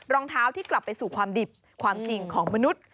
รองเท้าที่กลับไปสู่ความดิบความจริงของมนุษย์